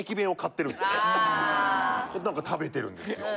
何か食べてるんですよ。